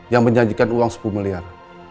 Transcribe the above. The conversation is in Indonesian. yang menjanjikan uang sepuluh miliar